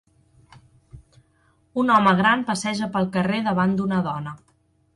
Un home gran passeja pel carrer davant d'una dona.